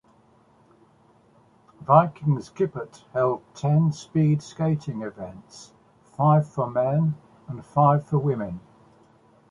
Vikingskipet held ten speed skating events, five for men and five for women.